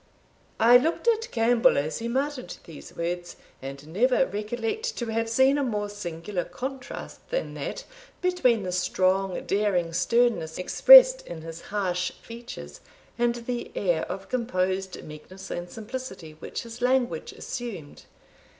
I looked at Campbell as he muttered these words, and never recollect to have seen a more singular contrast than that between the strong daring sternness expressed in his harsh features, and the air of composed meekness and simplicity which his language assumed.